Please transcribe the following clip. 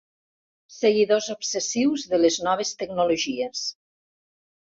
Seguidors obsessius de les noves tecnologies.